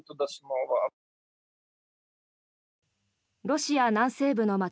ロシア南西部の街